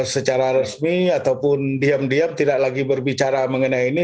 secara resmi ataupun diam diam tidak lagi berbicara mengenai ini